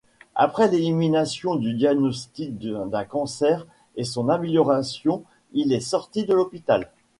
Après l'élimination du diagnostic d'un cancer et son amélioration il est sorti de l'hôpital.